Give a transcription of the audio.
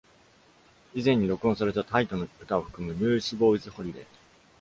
以前に録音された Tait の歌を含む Newsboys Holiday。